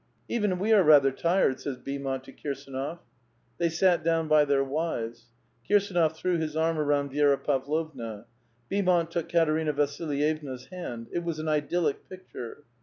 " Even we are rather tired." says Beaumont to Eirsdnof. They sat down by their wives. Kirsdnof threw his arm around Vi^ra Pavlovna. Beaumont took Katerina Vasil yevna's hand. It was an idyllic picture.